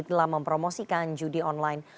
telah mempromosikan judi online